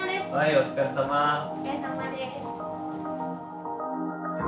お疲れさまです。